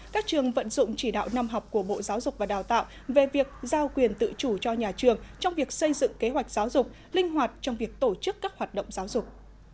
các trường vận dụng chỉ đạo năm học của bộ giáo dục và đào tạo về việc giao quyền tự chủ cho nhà trường trong việc xây dựng kế hoạch giáo dục linh hoạt trong việc tổ chức các hoạt động giáo dục